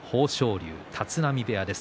龍、立浪部屋です。